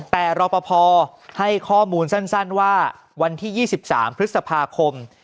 แต่รอปภให้ข้อมูลสั้นว่าวันที่๒๓พฤษภาคม